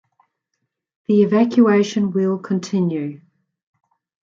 The evacuation will continue.